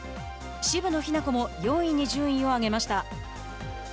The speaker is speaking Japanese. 渋野日向子も４位に順位を上げました。